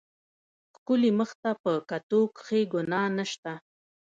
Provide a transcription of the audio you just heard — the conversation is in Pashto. ښکلي مخ ته په کتو کښې ګناه نشته.